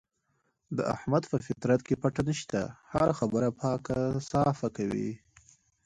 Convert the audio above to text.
د احمد په فطرت کې پټه نشته، هره خبره پاکه صافه کوي.